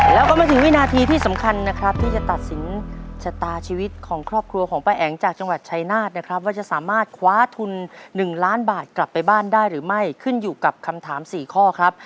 แล้วก็มาถึงวินาทีที่สำคัญนะครับที่จะตัดสินชะตาชีวิตของครอบครัวของป้าแอ๋งจากจังหวัดชายนาฏนะครับว่าจะสามารถคว้าทุน๑ล้านบาทกลับไปบ้านได้หรือไม่ขึ้นอยู่กับคำถาม๔ข้อครับ